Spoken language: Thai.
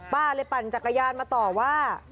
เลยปั่นจักรยานมาต่อว่า